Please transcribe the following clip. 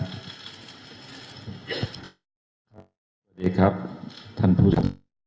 สวัสดีครับท่านผู้ชม